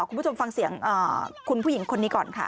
คุณผู้ชมฟังเสียงคุณผู้หญิงคนนี้ก่อนค่ะ